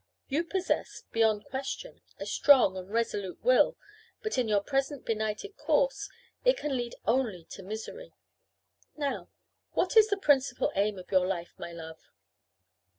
You possess, beyond question, a strong and resolute will, but in your present benighted course it can lead only to misery. Now, what is the principal aim of your life, my love?"